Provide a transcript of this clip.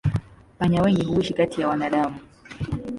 Panya wengi huishi kati ya wanadamu.